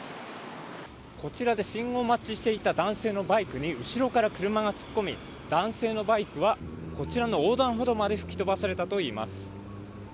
こちらで信号待ちをしていた男性のバイクに後ろから車が突っ込み男性のバイクはこちらの横断歩道まで吹き飛ばされたといいます。